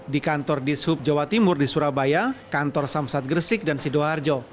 di kantor dishub jawa timur di surabaya kantor samsat gresik dan sidoarjo